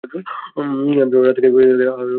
নিজাম সাহেব রাতে খেতে বসে দেখলেন, আজও অনেক আয়োজন।